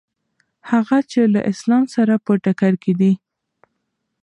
هغه چې له اسلام سره په ټکر کې دي.